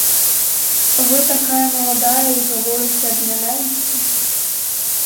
Вы такая маладая і гаворыце аб нянавісці?